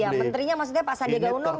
ya menterinya maksudnya pak sandiaga uno